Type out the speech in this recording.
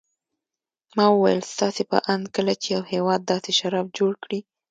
ما وویل: ستاسې په اند کله چې یو هېواد داسې شراب جوړ کړي.